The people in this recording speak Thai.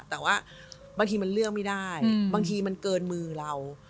แต่ว่าบางทีมันเลือกไม่ได้บางทีมันเกินมือเรา